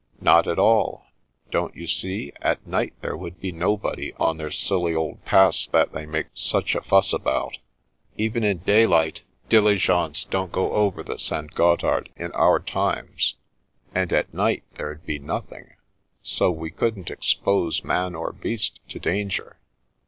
" Not at all. Don't you see, at night there would be nobody on their silly old Pass that they make such a fuss about. Even in daylight diligences don't go over the St. Gothard in our times, and at night 6o The Princess Passes there'd be nothing, so we couldn't expose man or beast to danger.